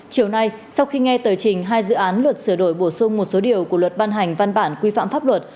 chiều nay sau khi nghe tờ trình hai dự án luật sửa đổi bổ sung một số điều của luật ban hành văn bản quy phạm pháp luật